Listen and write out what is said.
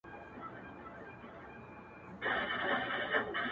هر غاټول يې زما له وينو رنګ اخيستی٫